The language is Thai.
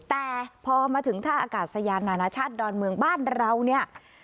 แต่พอมาถึงท่าอากาศยานนานาชาติดอนเมืองบ้านเราเนี่ย